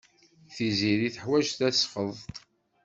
Tiziri teḥwaj tasfeḍt.